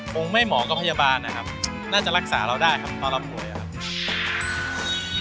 ผมไม่หมอกับพยาบาลนะครับน่าจะรักษาเราได้ครับเพราะเราผวยครับ